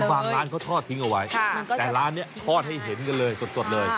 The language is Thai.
ร้านเขาทอดทิ้งเอาไว้แต่ร้านนี้ทอดให้เห็นกันเลยสดเลย